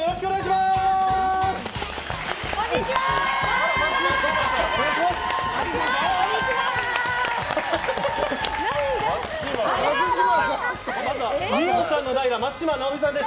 まずは二葉さんの代打松嶋尚美さんです。